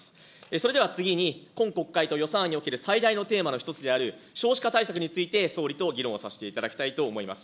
それでは次に、今国会と予算における最大のテーマの一つである、少子化対策について総理と議論をさせていただきたいと思います。